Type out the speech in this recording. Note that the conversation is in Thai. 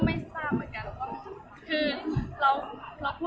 พี่รออยู่